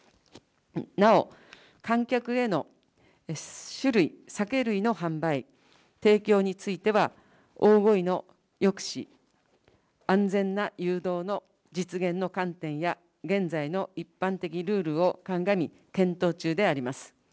なお、観客への酒類、酒類の販売、提供については、大声の抑止、安全な誘導の実現の観点や、現在の一般的ルールを鑑み、検討中であります。